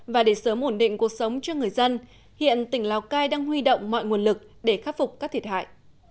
và để sớm ổn định cuộc sống cho người dân hiện tỉnh lào cai đang huy động mọi nguồn lực để khắc phục các thiệt hại